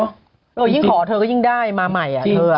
ยิ่งขอเธอก็ยิ่งได้มาใหม่อ่ะเธอ